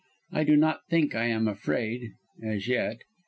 I do not think I am afraid as yet.